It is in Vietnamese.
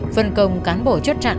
phần công cán bộ chốt trận